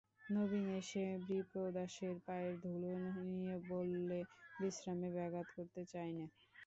নবীন এসে বিপ্রদাসের পায়ের ধুলো নিয়ে বললে, বিশ্রামে ব্যাঘাত করতে চাই নে।